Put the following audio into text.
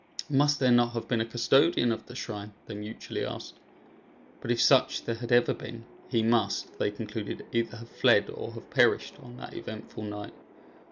"Must there not have been a custodian of the shrine?" they mutually asked; but if such there had ever been, he must, they concluded, either have fled or have perished on that eventful night.